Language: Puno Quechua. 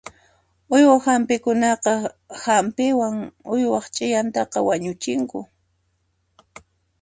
Uywa hampiqkunaqa hampiwan uywaq ch'iyantaqa wañuchinku.